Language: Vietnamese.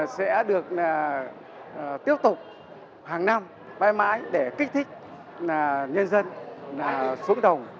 sẽ được tiếp tục hàng năm mãi mãi để kích thích nhân dân xuống đồng